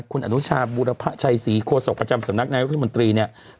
คุณอนุชาบูรพชัยศรีโฆษกประจำสำนักงานวิทยาลัยวิทยาลัยมนตรี